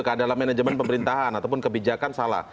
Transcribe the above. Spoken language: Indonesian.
karena dalam manajemen pemerintahan ataupun kebijakan salah